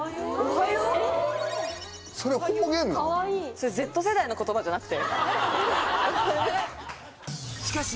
それＺ世代の言葉じゃなくて？